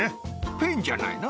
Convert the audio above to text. ペンじゃないの？